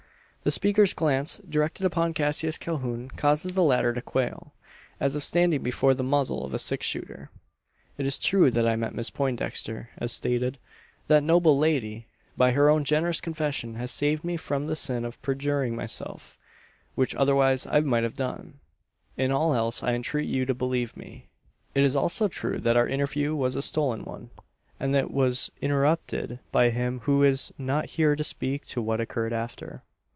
The speaker's glance, directed upon Cassius Calhoun, causes the latter to quail, as if standing before the muzzle of a six shooter. "It is true that I met Miss Poindexter, as stated. That noble lady, by her own generous confession, has saved me from the sin of perjuring myself which otherwise I might have done. In all else I entreat you to believe me. "It is also true that our interview was a stolen one; and that it was interrupted by him who is not here to speak to what occurred after.